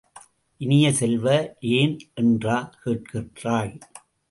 இனிய செல்வ, ஏன் என்றா கேட்கிறாய்?